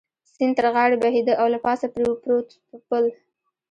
سیند تر غاړې بهېده او له پاسه پرې پروت پل.